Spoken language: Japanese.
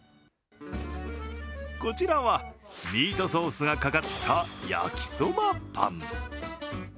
こちらはミートソースがかかった焼きそばパン。